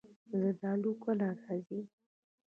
زردالو کله راځي؟